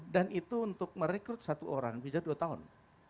dan itu untuk merekrut satu orang bisa dua tahun